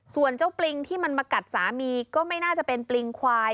ส่วนเจ้าปริงที่มันมากัดสามีก็ไม่น่าจะเป็นปริงควาย